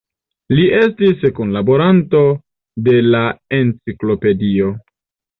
Li estis kunlaboranto de la Enciklopedio.